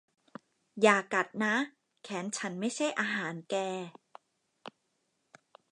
อย่ากัดนะ แขนฉันไม่ใช่อาหารแก